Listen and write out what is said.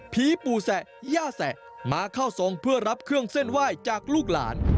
ผีปู่แสะย่าแสะมาเข้าทรงเพื่อรับเครื่องเส้นไหว้จากลูกหลาน